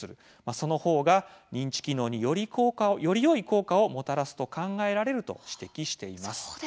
その方が認知機能によりよい効果をもたらすと考えられると指摘しています。